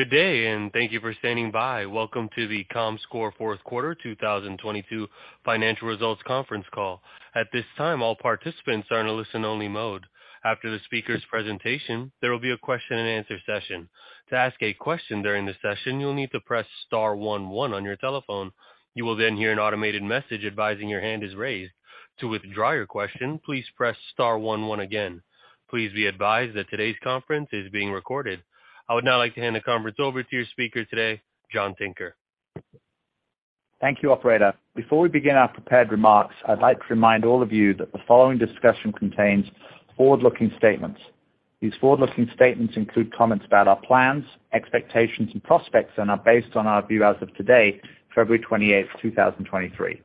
Good day. Thank you for standing by. Welcome to the Comscore Fourth Quarter 2022 Financial Results conference call. At this time, all participants are in a listen-only mode. After the speaker's presentation, there will be a question-and-answer session. To ask a question during the session, you'll need to press star one one, on your telephone. You will then hear an automated message advising your hand is raised. To withdraw your question, please press star one one, again. Please be advised that today's conference is being recorded. I would now like to hand the conference over to your speaker today, John Tinker. Thank you, operator. Before we begin our prepared remarks, I'd like to remind all of you that the following discussion contains forward-looking statements. These forward-looking statements include comments about our plans, expectations, and prospects, and are based on our view as of today, February 28th, 2023.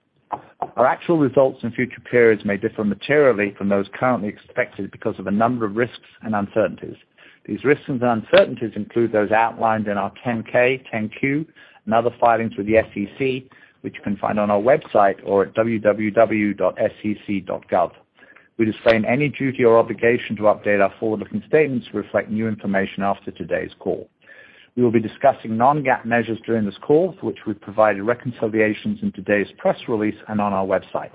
Our actual results in future periods may differ materially from those currently expected because of a number of risks and uncertainties. These risks and uncertainties include those outlined in our 10-K, 10-Q and other filings with the SEC, which you can find on our website or at www.sec.gov. We disclaim any duty or obligation to update our forward-looking statements to reflect new information after today's call. We will be discussing non-GAAP measures during this call, for which we've provided reconciliations in today's press release and on our website.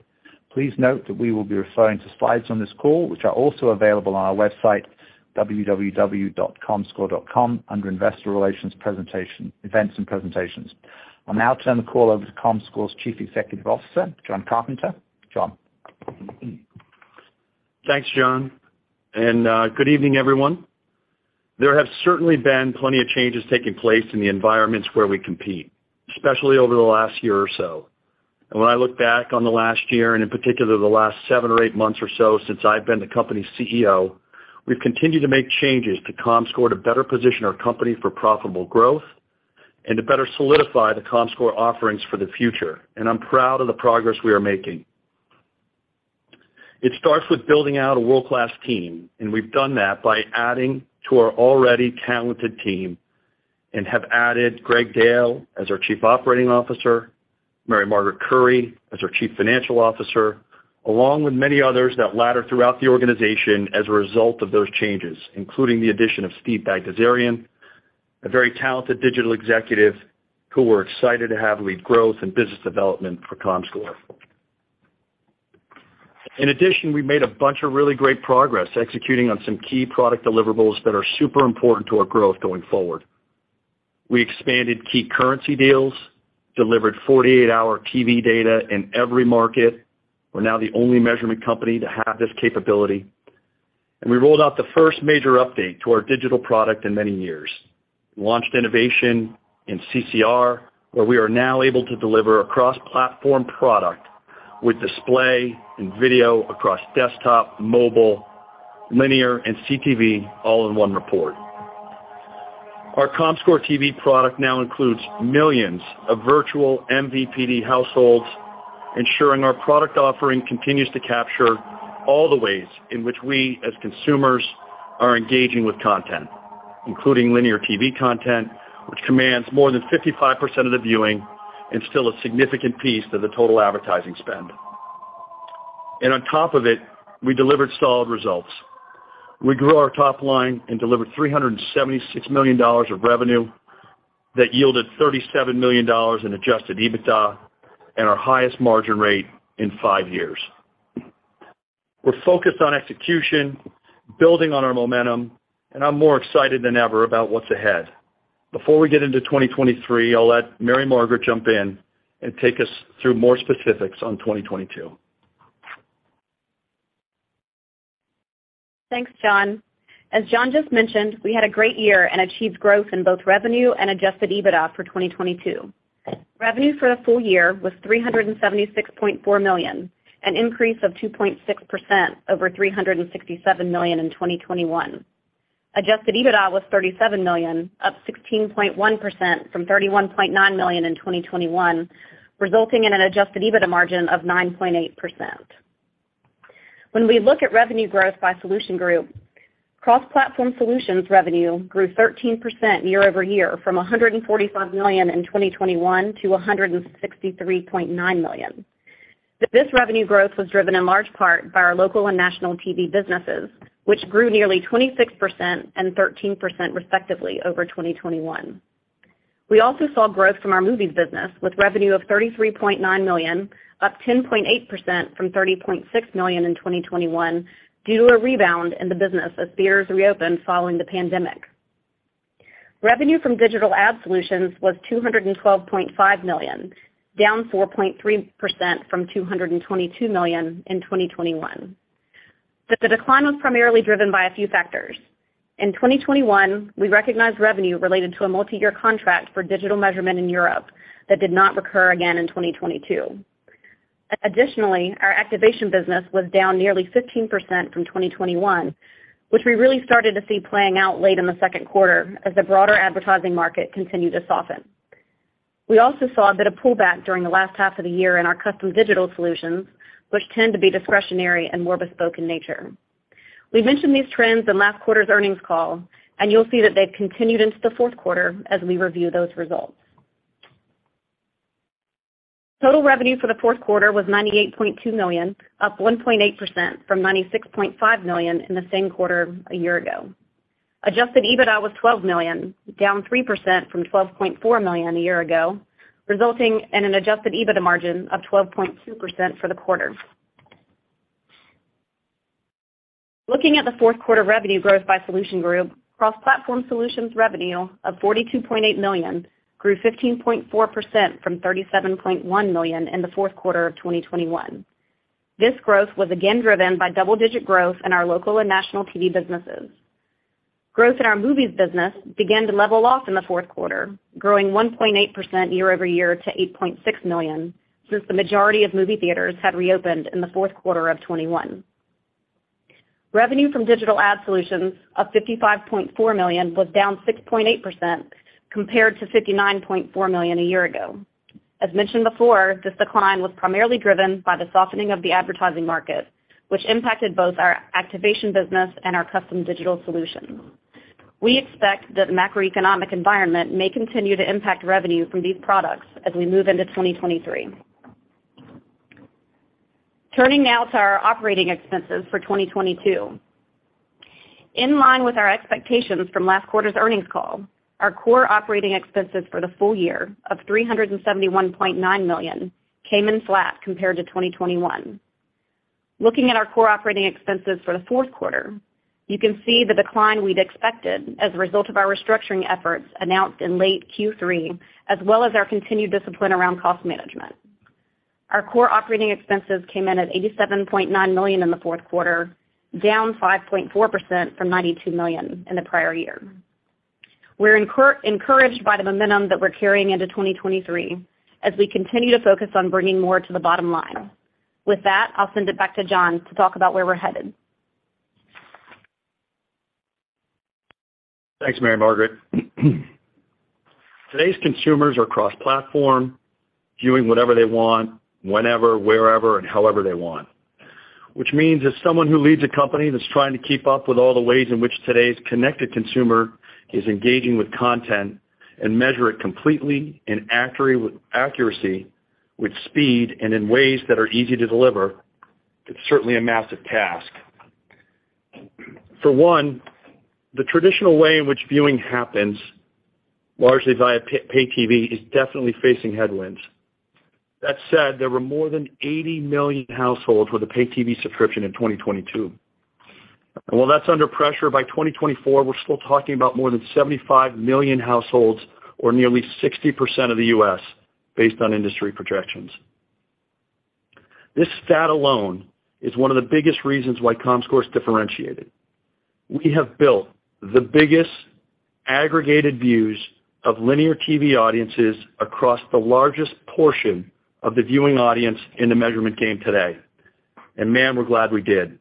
Please note that we will be referring to slides on this call, which are also available on our website, www.comscore.com, under Investor Relations Presentation—Events and Presentations. I'll now turn the call over to Comscore's Chief Executive Officer, Jon Carpenter. Jon. Thanks, John, and good evening, everyone. There have certainly been plenty of changes taking place in the environments where we compete, especially over the last year or so. When I look back on the last year, and in particular, the last seven or eight months or so since I've been the company's CEO, we've continued to make changes to Comscore to better position our company for profitable growth and to better solidify the Comscore offerings for the future. I'm proud of the progress we are making. It starts with building out a world-class team, and we've done that by adding to our already talented team and have added Greg Dale as our Chief Operating Officer, Mary Margaret Curry as our Chief Financial Officer, along with many others that ladder throughout the organization as a result of those changes, including the addition of Steve Bagdasarian, a very talented digital executive who we're excited to have lead growth and business development for Comscore. In addition, we made a bunch of really great progress executing on some key product deliverables that are super important to our growth going forward. We expanded key currency deals, delivered 48-hour TV data in every market. We're now the only measurement company to have this capability. We rolled out the first major update to our digital product in many years. Launched innovation in CCR, where we are now able to deliver a cross-platform product with display and video across desktop, mobile, linear, and CTV all in one report. Our Comscore TV product now includes millions of virtual MVPD households, ensuring our product offering continues to capture all the ways in which we, as consumers, are engaging with content, including linear TV content, which commands more than 55% of the viewing and still a significant piece of the total advertising spend. On top of it, we delivered solid results. We grew our top line and delivered $376 million of revenue that yielded $37 million in adjusted EBITDA and our highest margin rate in five years. We're focused on execution, building on our momentum, and I'm more excited than ever about what's ahead. Before we get into 2023, I'll let Mary Margaret jump in and take us through more specifics on 2022. Thanks, Jon. As Jon just mentioned, we had a great year and achieved growth in both revenue and adjusted EBITDA for 2022. Revenue for the full year was $376.4 million, an increase of 2.6% over $367 million in 2021. Adjusted EBITDA was $37 million, up 16.1% from $31.9 million in 2021, resulting in an adjusted EBITDA margin of 9.8%. When we look at revenue growth by solution group, Cross Platform Solutions revenue grew 13% year-over-year from $145 million in 2021 to $163.9 million. This revenue growth was driven in large part by our local and national TV businesses, which grew nearly 26% and 13% respectively over 2021. We also saw growth from our movies business, with revenue of $33.9 million, up 10.8% from $30.6 million in 2021 due to a rebound in the business as theaters reopened following the pandemic. Revenue from Digital Ad Solutions was $212.5 million, down 4.3% from $222 million in 2021. The decline was primarily driven by a few factors. In 2021, we recognized revenue related to a multi-year contract for digital measurement in Europe that did not recur again in 2022. Additionally, our activation business was down nearly 15% from 2021, which we really started to see playing out late in the second quarter as the broader advertising market continued to soften. We also saw a bit of pullback during the last half of the year in our Custom Digital Solutions, which tend to be discretionary and more bespoke in nature. You'll see that they've continued into the fourth quarter as we review those results. Total revenue for the fourth quarter was $98.2 million, up 1.8% from $96.5 million in the same quarter a year ago. Adjusted EBITDA was $12 million, down 3% from $12.4 million a year ago, resulting in an adjusted EBITDA margin of 12.2% for the quarter. Looking at the fourth quarter revenue growth by solution group, Cross Platform Solutions revenue of $42.8 million grew 15.4% from $37.1 million in the fourth quarter of 2021. This growth was again driven by double-digit growth in our local and national TV businesses. Growth in our movies business began to level off in the fourth quarter, growing 1.8% year-over-year to $8.6 million since the majority of movie theaters had reopened in the fourth quarter of 2021. Revenue from Digital Ad Solutions of $55.4 million was down 6.8% compared to $59.4 million a year ago. As mentioned before, this decline was primarily driven by the softening of the advertising market, which impacted both our activation business and our Custom Digital Solution. We expect that macroeconomic environment may continue to impact revenue from these products as we move into 2023. Turning now to our operating expenses for 2022. In line with our expectations from last quarter's earnings call, our core OpEx for the full year of $371.9 million came in flat compared to 2021. Looking at our core OpEx for the fourth quarter, you can see the decline we'd expected as a result of our restructuring efforts announced in late Q3, as well as our continued discipline around cost management. Our core operating expenses came in at $87.9 million in the fourth quarter, down 5.4% from $92 million in the prior year. We're encouraged by the momentum that we're carrying into 2023 as we continue to focus on bringing more to the bottom line. With that, I'll send it back to John to talk about where we're headed. Thanks, Mary Margaret. Today's consumers are cross-platform, viewing whatever they want, whenever, wherever, and however they want. As someone who leads a company that's trying to keep up with all the ways in which today's connected consumer is engaging with content and measure it completely in accuracy with speed and in ways that are easy to deliver, it's certainly a massive task. For one, the traditional way in which viewing happens, largely via pay TV, is definitely facing headwinds. That said, there were more than 80 million households with a pay TV subscription in 2022. While that's under pressure, by 2024, we're still talking about more than 75 million households or nearly 60% of the U.S. based on industry projections. This stat alone is one of the biggest reasons why Comscore's differentiated. We have built the biggest aggregated views of linear TV audiences across the largest portion of the viewing audience in the measurement game today. Man, we're glad we did.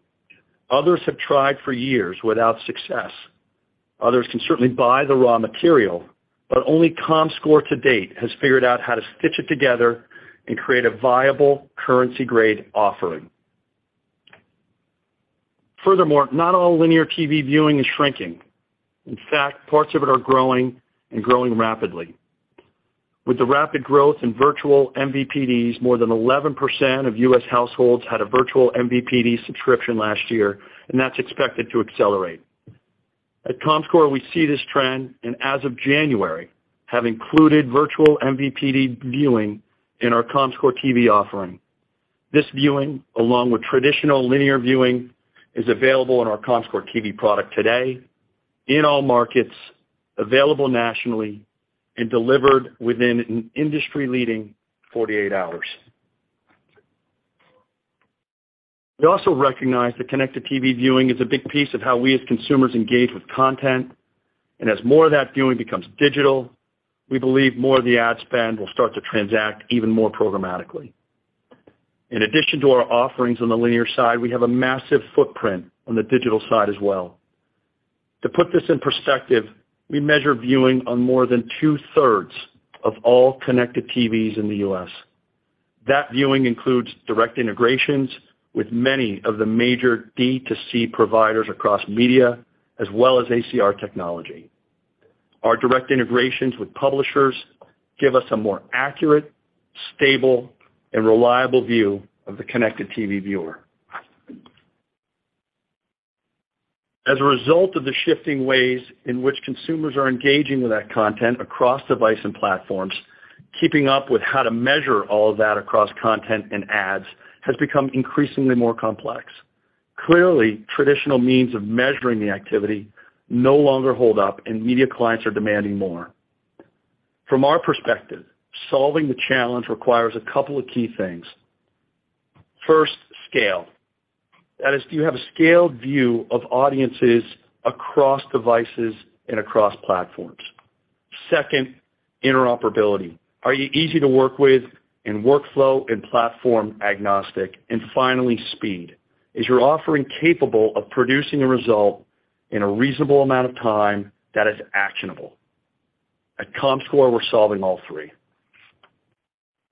Others have tried for years without success. Others can certainly buy the raw material, but only Comscore to date has figured out how to stitch it together and create a viable currency-grade offering. Furthermore, not all linear TV viewing is shrinking. In fact, parts of it are growing and growing rapidly. With the rapid growth in virtual MVPDs, more than 11% of U.S. households had a virtual MVPD subscription last year, and that's expected to accelerate. At Comscore, we see this trend, and as of January, have included virtual MVPD viewing in our Comscore TV offering. This viewing, along with traditional linear viewing, is available on our Comscore TV product today in all markets, available nationally and delivered within an industry-leading 48 hours. We also recognize that connected TV viewing is a big piece of how we as consumers engage with content, and as more of that viewing becomes digital, we believe more of the ad spend will start to transact even more programmatically. In addition to our offerings on the linear side, we have a massive footprint on the digital side as well. To put this in perspective, we measure viewing on more than 2/3 of all connected TVs in the U.S. That viewing includes direct integrations with many of the major D2C providers across media as well as ACR technology. Our direct integrations with publishers give us a more accurate, stable, and reliable view of the connected TV viewer. As a result of the shifting ways in which consumers are engaging with that content across device and platforms, keeping up with how to measure all of that across content and ads has become increasingly more complex. Clearly, traditional means of measuring the activity no longer hold up and media clients are demanding more. From our perspective, solving the challenge requires a couple of key things. First, scale. That is, do you have a scaled view of audiences across devices and across platforms? Second, interoperability. Are you easy to work with in workflow and platform-agnostic? Finally, speed. Is your offering capable of producing a result in a reasonable amount of time that is actionable? At Comscore, we're solving all three,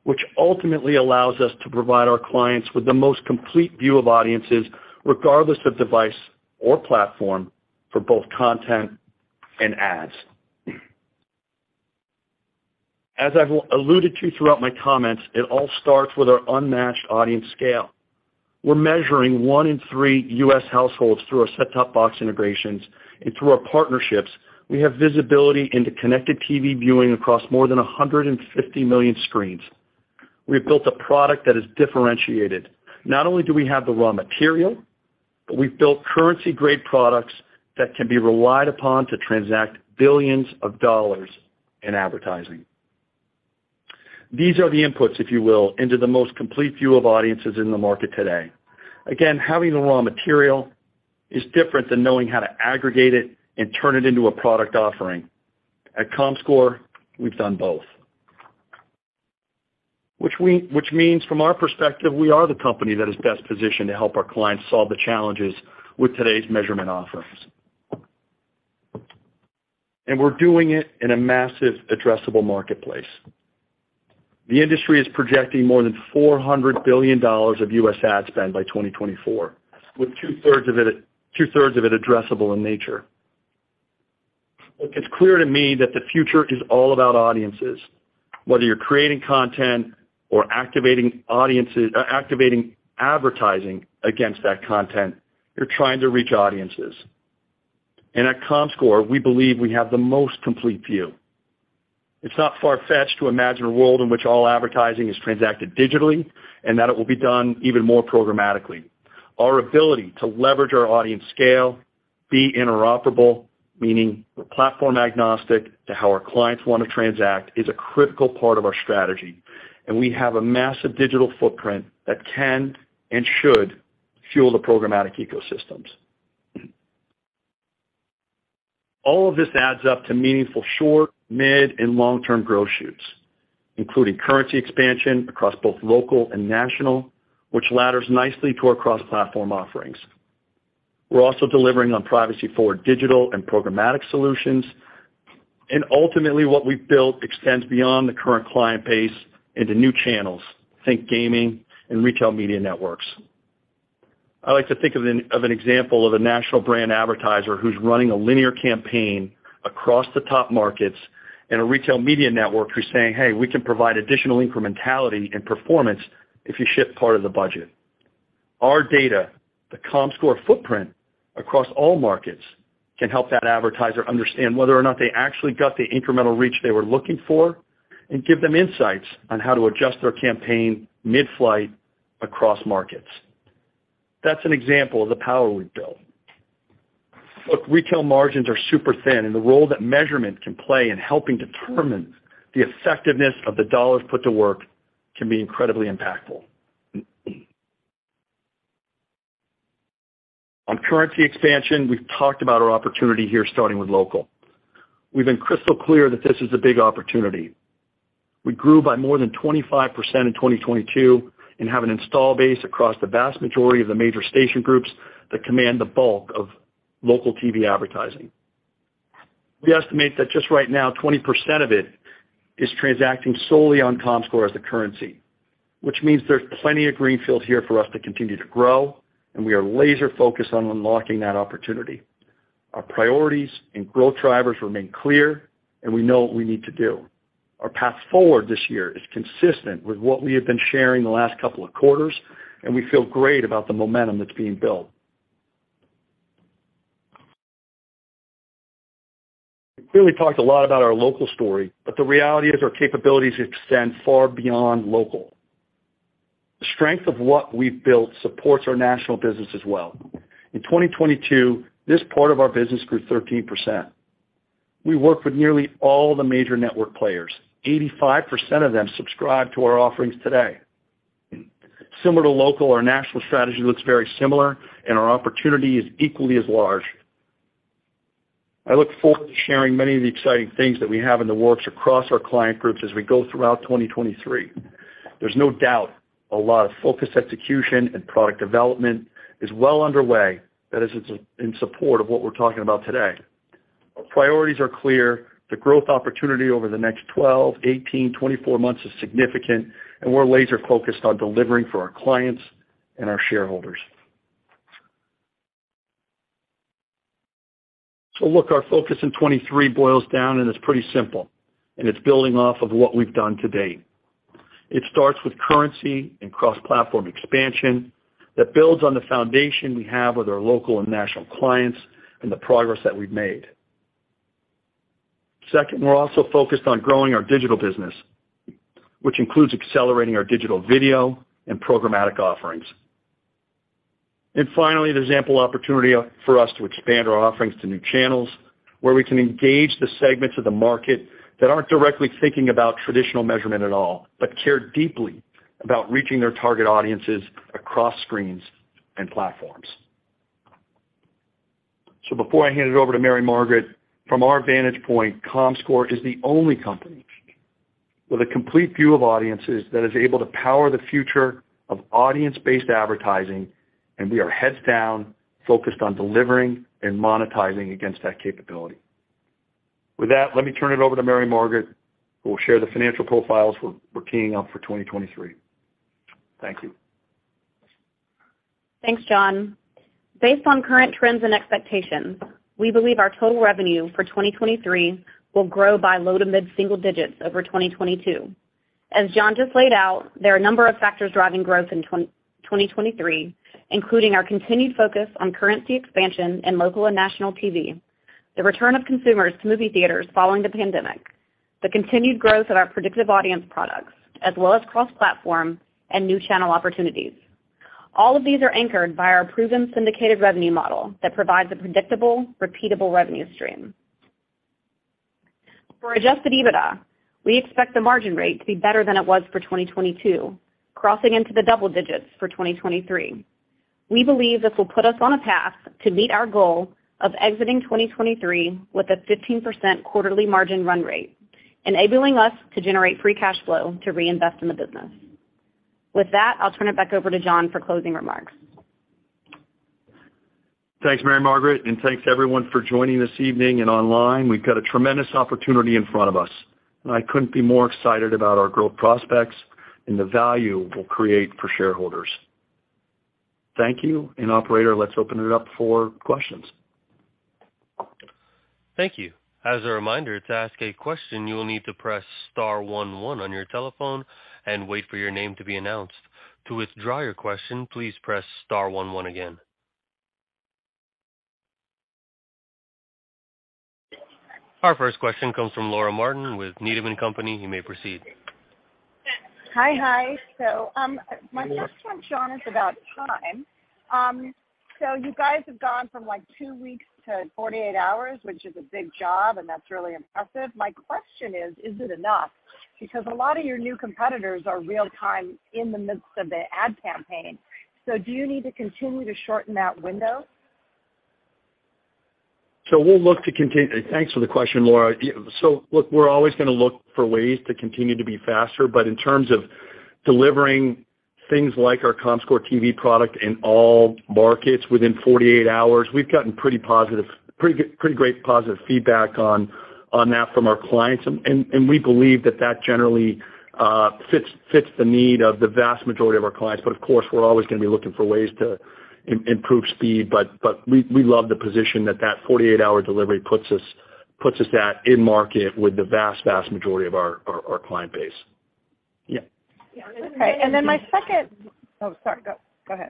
which ultimately allows us to provide our clients with the most complete view of audiences, regardless of device or platform, for both content and ads. As I've alluded to throughout my comments, it all starts with our unmatched audience scale. We're measuring one in three U.S. households through our set-top box integrations and through our partnerships, we have visibility into connected TV viewing across more than 150 million screens. We've built a product that is differentiated. Not only do we have the raw material, but we've built currency-grade products that can be relied upon to transact billions of dollars in advertising. These are the inputs, if you will, into the most complete view of audiences in the market today. Again, having the raw material is different than knowing how to aggregate it and turn it into a product offering. At Comscore, we've done both. Which means from our perspective, we are the company that is best positioned to help our clients solve the challenges with today's measurement offerings. We're doing it in a massive addressable marketplace. The industry is projecting more than $400 billion of U.S. ad spend by 2024, with 2/3 of it addressable in nature. Look, it's clear to me that the future is all about audiences, whether you're creating content or activating advertising against that content, you're trying to reach audiences. At Comscore, we believe we have the most complete view. It's not far-fetched to imagine a world in which all advertising is transacted digitally and that it will be done even more programmatically. Our ability to leverage our audience scale, be interoperable, meaning we're platform agnostic to how our clients want to transact, is a critical part of our strategy, and we have a massive digital footprint that can and should fuel the programmatic ecosystems. All of this adds up to meaningful short, mid, and long-term growth shoots, including currency expansion across both local and national, which ladders nicely to our cross-platform offerings. We're also delivering on privacy-forward digital and programmatic solutions, and ultimately, what we've built extends beyond the current client base into new channels, think gaming and retail media networks. I like to think of an example of a national brand advertiser who's running a linear campaign across the top markets and a retail media network who's saying, "Hey, we can provide additional incrementality and performance if you ship part of the budget." Our data, the Comscore footprint across all markets, can help that advertiser understand whether or not they actually got the incremental reach they were looking for and give them insights on how to adjust their campaign mid-flight across markets. That's an example of the power we've built. Look, retail margins are super thin, and the role that measurement can play in helping determine the effectiveness of the dollars put to work can be incredibly impactful. On currency expansion, we've talked about our opportunity here, starting with local. We've been crystal clear that this is a big opportunity. We grew by more than 25% in 2022 and have an install base across the vast majority of the major station groups that command the bulk of local TV advertising. We estimate that just right now, 20% of it is transacting solely on Comscore as the currency, which means there's plenty of greenfield here for us to continue to grow, and we are laser-focused on unlocking that opportunity. Our priorities and growth drivers remain clear, and we know what we need to do. Our path forward this year is consistent with what we have been sharing the last couple of quarters. We feel great about the momentum that's being built. We clearly talked a lot about our local story. The reality is our capabilities extend far beyond local. The strength of what we've built supports our national business as well. In 2022, this part of our business grew 13%. We work with nearly all the major network players. 85% of them subscribe to our offerings today. Similar to local, our national strategy looks very similar. Our opportunity is equally as large. I look forward to sharing many of the exciting things that we have in the works across our client groups as we go throughout 2023. There's no doubt a lot of focused execution and product development is well underway, that is in support of what we're talking about today. Our priorities are clear. The growth opportunity over the next 12, 18, 24 months is significant, and we're laser-focused on delivering for our clients and our shareholders. Look, our focus in 2023 boils down, and it's pretty simple, and it's building off of what we've done to date. It starts with currency and cross-platform expansion that builds on the foundation we have with our local and national clients and the progress that we've made. Second, we're also focused on growing our digital business, which includes accelerating our digital video and programmatic offerings. Finally, there's ample opportunity for us to expand our offerings to new channels, where we can engage the segments of the market that aren't directly thinking about traditional measurement at all, but care deeply about reaching their target audiences across screens and platforms. Before I hand it over to Mary Margaret, from our vantage point, Comscore is the only company with a complete view of audiences that is able to power the future of audience-based advertising, and we are heads down focused on delivering and monetizing against that capability. With that, let me turn it over to Mary Margaret, who will share the financial profiles we're keying up for 2023. Thank you. Thanks, Jon. Based on current trends and expectations, we believe our total revenue for 2023 will grow by low to mid-single digits over 2022. As Jon just laid out, there are a number of factors driving growth in 2023, including our continued focus on currency expansion in local and national TV, the return of consumers to movie theaters following the pandemic, the continued growth of our Predictive Audiences products, as well as cross-platform and new channel opportunities. All of these are anchored by our proven syndicated revenue model that provides a predictable, repeatable revenue stream. For adjusted EBITDA, we expect the margin rate to be better than it was for 2022, crossing into the double digits for 2023. We believe this will put us on a path to meet our goal of exiting 2023 with a 15% quarterly margin run rate, enabling us to generate free cash flow to reinvest in the business. With that, I'll turn it back over to Jon for closing remarks. Thanks, Mary Margaret, and thanks to everyone for joining this evening and online. We've got a tremendous opportunity in front of us, and I couldn't be more excited about our growth prospects and the value we'll create for shareholders. Thank you. Operator, let's open it up for questions. Thank you. As a reminder, to ask a question, you will need to press star one one on your telephone and wait for your name to be announced. To withdraw your question, please press star one one again. Our first question comes from Laura Martin with Needham & Company. You may proceed. Hi. Hi. My first one, Jon, is about time. You guys have gone from, like, two weeks to 48 hours, which is a big job, and that's really impressive. My question is, is it enough? Because a lot of your new competitors are real-time in the midst of the ad campaign. Do you need to continue to shorten that window? We'll look to thanks for the question, Laura. Look, we're always going to look for ways to continue to be faster, in terms of delivering things like our Comscore TV product in all markets within 48 hours, we've gotten pretty positive, great positive feedback on that from our clients. We believe that that generally fits the need of the vast majority of our clients. Of course, we're always going to be looking for ways to improve speed. We love the position that that 48-hour delivery puts us at in market with the vast majority of our client base. Yeah. Yeah. Okay. Then my second—oh, sorry. Go, go ahead.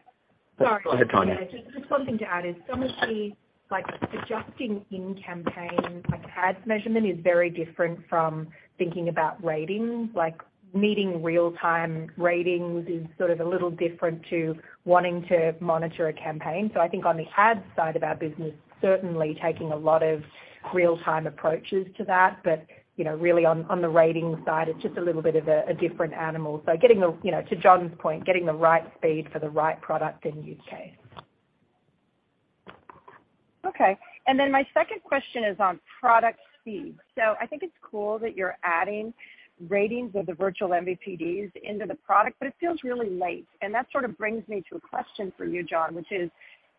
Go ahead, Mary. Just one thing to add is some of the, like, adjusting in campaign, like, ads measurement is very different from thinking about ratings. Like, needing real-time ratings is sort of a little different to wanting to monitor a campaign. I think on the ad side of our business, certainly taking a lot of real-time approaches to that. You know, really on the ratings side, it's just a little bit of a different animal. Getting the, you know, to Jon's point, getting the right speed for the right product and use case. My second question is on product speed. I think it's cool that you're adding ratings of the virtual MVPDs into the product, but it feels really late. That sort of brings me to a question for you, Jon, which is,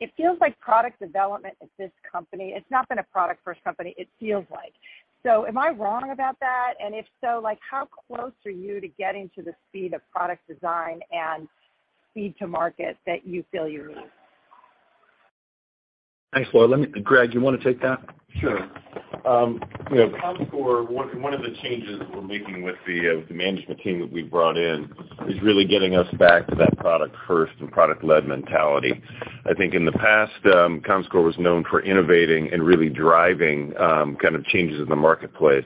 it feels like product development at this company, it's not been a product-first company, it feels like. Am I wrong about that? If so, like, how close are you to getting to the speed of product design and speed to market that you feel you need? Thanks, Laura. Greg, you want to take that? Sure. You know, at Comscore, one of the changes we're making with the management team that we've brought in is really getting us back to that product first and product-led mentality. I think in the past, Comscore was known for innovating and really driving kind of changes in the marketplace.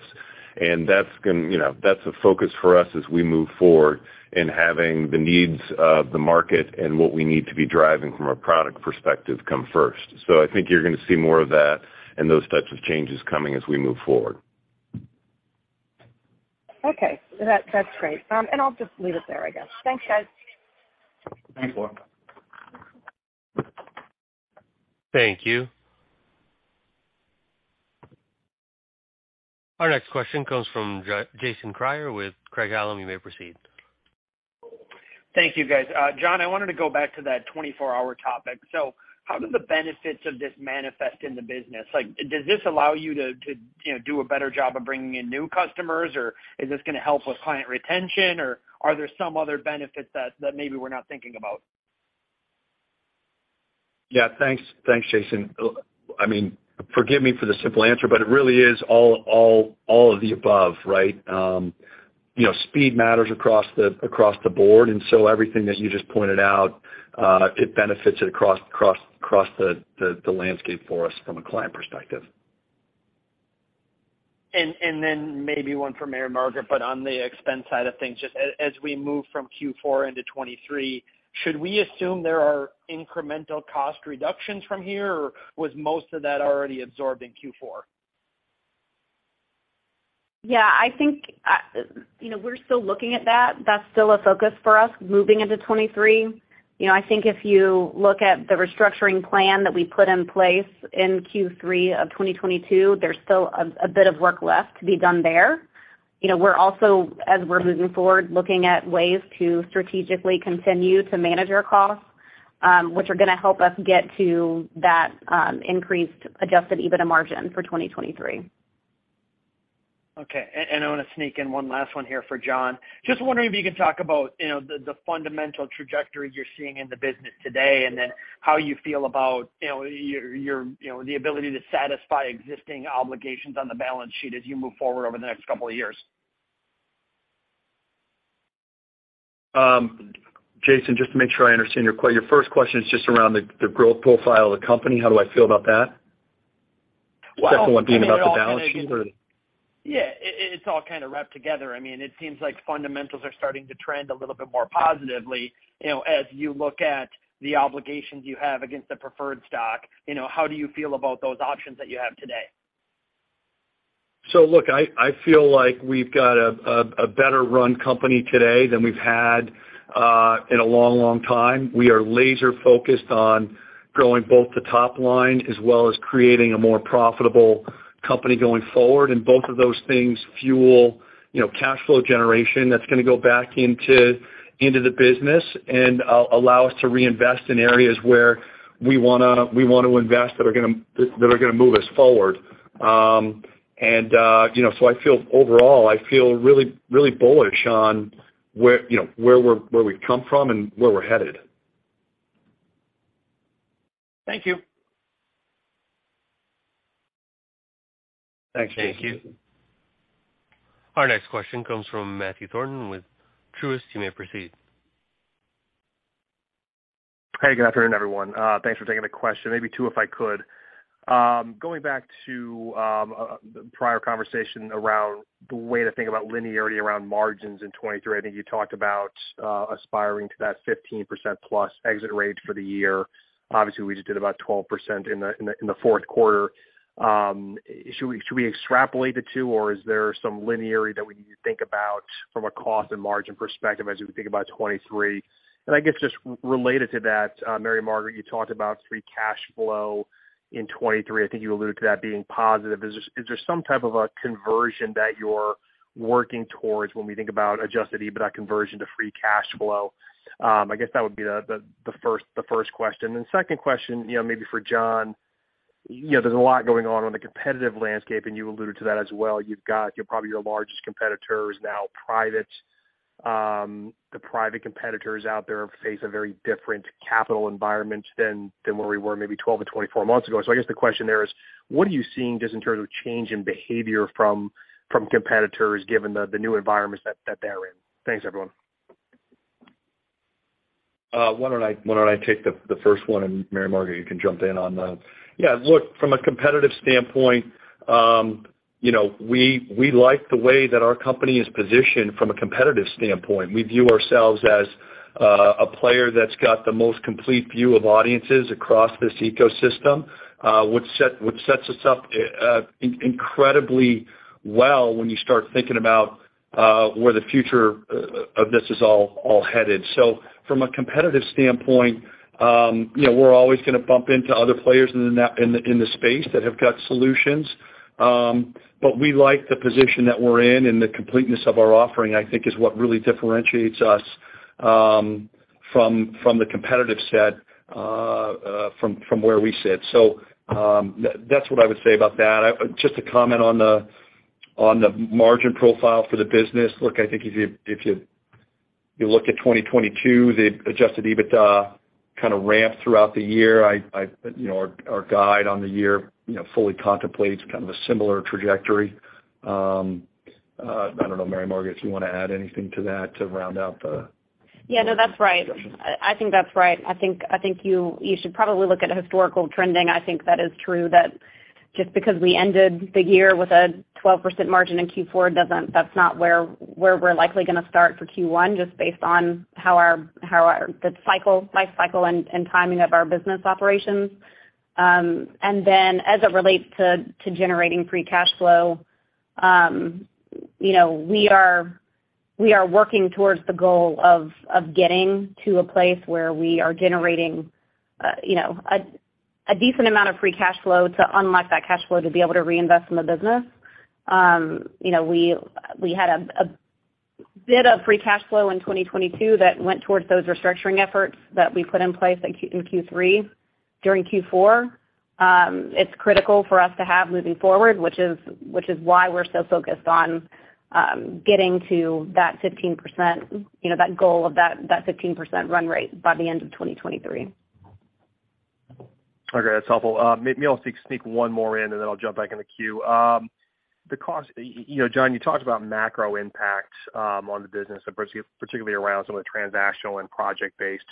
That's you know, that's a focus for us as we move forward in having the needs of the market and what we need to be driving from a product perspective come first. I think you're going to see more of that and those types of changes coming as we move forward. Okay. That's great. I'll just leave it there, I guess. Thanks, guys. Thanks, Laura. Thank you. Our next question comes from Jason Kreyer with Craig-Hallum. You may proceed. Thank you, guys. Jon, I wanted to go back to that 24-hour topic. How do the benefits of this manifest in the business? Like, does this allow you to, you know, do a better job of bringing in new customers, or is this going to help with client retention, or are there some other benefits that maybe we're not thinking about? Yeah. Thanks, Jason. I mean, forgive me for the simple answer, but it really is all of the above, right? You know, speed matters across the board, and so everything that you just pointed out, it benefits it across the landscape for us from a client perspective. Then maybe one for Mary Margaret, but on the expense side of things, just as we move from Q4 into 2023, should we assume there are incremental cost reductions from here, or was most of that already absorbed in Q4? Yeah, I think, you know, we're still looking at that. That's still a focus for us moving into 2023. You know, I think if you look at the restructuring plan that we put in place in Q3 of 2022, there's still a bit of work left to be done there. You know, we're also, as we're moving forward, looking at ways to strategically continue to manage our costs, which are going to help us get to that increased adjusted EBITDA margin for 2023. Okay. I want to sneak in one last one here for Jon. Just wondering if you can talk about, you know, the fundamental trajectory you're seeing in the business today, and then how you feel about, you know, your, you know, the ability to satisfy existing obligations on the balance sheet as you move forward over the next couple of years? Jason, just to make sure I understand your your first question is just around the growth profile of the company, how do I feel about that? Well, I mean, it all. Is that the one thing about the balance sheet or? Yeah, it's all kind of wrapped together. I mean, it seems like fundamentals are starting to trend a little bit more positively, you know, as you look at the obligations you have against the preferred stock, you know, how do you feel about those options that you have today? Look, I feel like we've got a better run company today than we've had in a long, long time. We are laser focused on growing both the top line as well as creating a more profitable company going forward. Both of those things fuel, you know, cash flow generation that's gonna go back into the business and allow us to reinvest in areas where we want to invest that are gonna move us forward. You know, I feel overall, I feel really, really bullish on where, you know, where we've come from and where we're headed. Thank you. Thanks, Jason. Thank you. Our next question comes from Matthew Thornton with Truist. You may proceed. Hey, good afternoon, everyone. Thanks for taking the question. Maybe two, if I could. Going back to the prior conversation around the way to think about linearity around margins in 2023, I think you talked about aspiring to that 15%+ exit rate for the year. Obviously, we just did about 12% in the fourth quarter. Should we extrapolate the two, or is there some linearity that we need to think about from a cost and margin perspective as we think about 2023? I guess just related to that, Mary Margaret, you talked about free cash flow in 2023. I think you alluded to that being positive. Is there some type of a conversion that you're working towards when we think about adjusted EBITDA conversion to free cash flow? I guess that would be the first question. Second question, you know, maybe for Jon, you know, there's a lot going on the competitive landscape, and you alluded to that as well. You've got, you know, probably your largest competitor is now private. The private competitors out there face a very different capital environment than where we were maybe 12–24 months ago. I guess the question there is what are you seeing just in terms of change in behavior from competitors given the new environments that they're in? Thanks, everyone. Why don't I take the first one, and Mary Margaret, you can jump in on the—yeah, look, from a competitive standpoint, you know, we like the way that our company is positioned from a competitive standpoint. We view ourselves as a player that's got the most complete view of audiences across this ecosystem, which sets us up incredibly well when you start thinking about where the future of this is all headed. From a competitive standpoint, you know, we're always gonna bump into other players in the space that have got solutions. We like the position that we're in, and the completeness of our offering, I think, is what really differentiates us from the competitive set from where we sit. That's what I would say about that. Just to comment on the margin profile for the business. Look, I think if you look at 2022, the adjusted EBITDA kind of ramped throughout the year. I, you know, our guide on the year, you know, fully contemplates kind of a similar trajectory. I don't know, Mary Margaret, if you wanna add anything to that to round out. Yeah, no, that's right. I think that's right. I think you should probably look at a historical trending. I think that is true that just because we ended the year with a 12% margin in Q4, that's not where we're likely gonna start for Q1 just based on how our, the cycle, life cycle and timing of our business operations. As it relates to generating free cash flow, you know, we are working towards the goal of getting to a place where we are generating, you know, a decent amount of free cash flow to unlock that cash flow to be able to reinvest in the business. You know, we had a bit of free cash flow in 2022 that went towards those restructuring efforts that we put in place in Q3 during Q4. It's critical for us to have moving forward, which is why we're so focused on getting to that 15%, you know, that goal of that 15% run rate by the end of 2023. Okay, that's helpful. Maybe I'll sneak one more in, and then I'll jump back in the queue. The cost, you know, Jon, you talked about macro impact on the business, and particularly around some of the transactional and project-based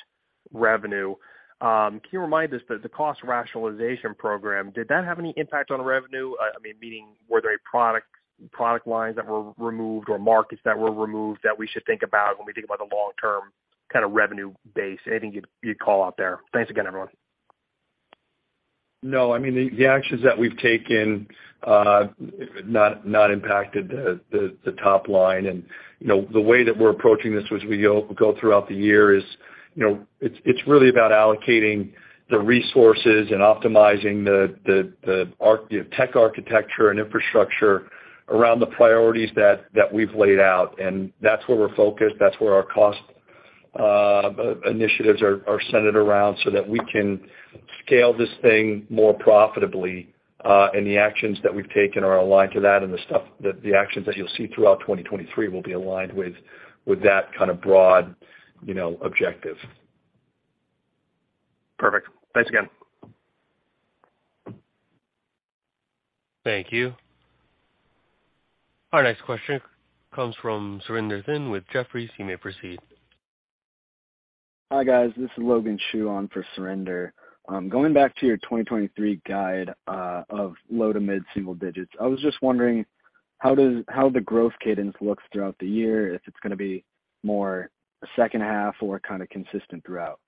revenue. Can you remind us, the cost rationalization program, did that have any impact on revenue? I mean, meaning were there any product lines that were removed or markets that were removed that we should think about when we think about the long term kind of revenue base? Anything you'd call out there? Thanks again, everyone. No, I mean, the actions that we've taken, not impacted the top line. You know, the way that we're approaching this as we go throughout the year is, you know, it's really about allocating the resources and optimizing the tech architecture and infrastructure around the priorities that we've laid out. That's where we're focused. That's where our cost initiatives are centered around so that we can scale this thing more profitably, and the actions that we've taken are aligned to that and the stuff that the actions that you'll see throughout 2023 will be aligned with that kind of broad, you know, objective. Perfect. Thanks again. Thank you. Our next question comes from Surinder Singh with Jefferies. You may proceed. Hi, guys. This is Logan Xu on for Surinder. Going back to your 2023 guide, of low to mid-single digits, I was just wondering how the growth cadence looks throughout the year, if it's gonna be more second half or kinda consistent throughout?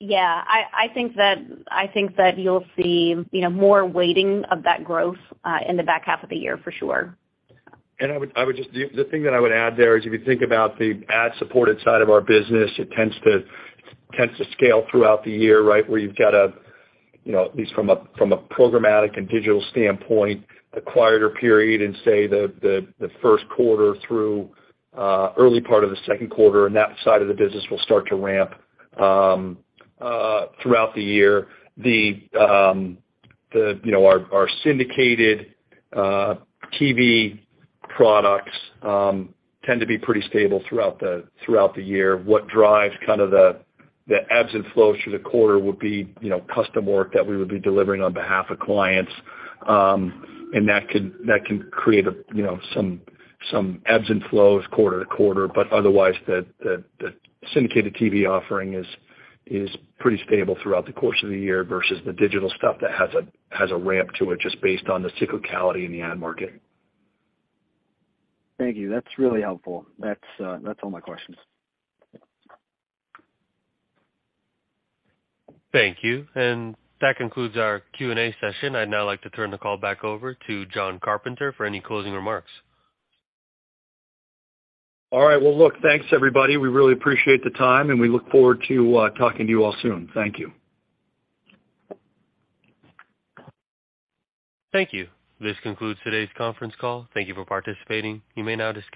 Yeah, I think that you'll see, you know, more weighting of that growth in the back half of the year for sure. I would just. The thing that I would add there is if you think about the ad-supported side of our business, it tends to scale throughout the year, right where you've got a, you know, at least from a programmatic and digital standpoint, a quieter period in, say, the first quarter through early part of the second quarter. That side of the business will start to ramp throughout the year. The, you know, our syndicated TV products tend to be pretty stable throughout the year. What drives kind of the ebbs and flows through the quarter would be, you know, custom work that we would be delivering on behalf of clients, and that can create a, you know, some ebbs and flows quarter to quarter. Otherwise, the syndicated TV offering is pretty stable throughout the course of the year versus the digital stuff that has a ramp to it just based on the cyclicality in the ad market. Thank you. That's really helpful. That's all my questions. Thank you. That concludes our Q&A session. I'd now like to turn the call back over to Jon Carpenter for any closing remarks. All right. Well, look, thanks, everybody. We really appreciate the time, and we look forward to talking to you all soon. Thank you. Thank you. This concludes today's conference call. Thank you for participating. You may now disconnect.